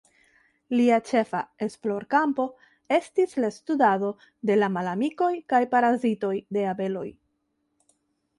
Lia ĉefa esplorkampo estis la studado de la malamikoj kaj parazitoj de abeloj.